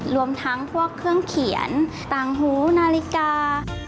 รวมทั้งพวกเครื่องเขียนต่างหูนาฬิกา